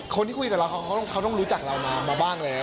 คนที่คุยกับเราเขาต้องรู้จักเรามาบ้างแล้ว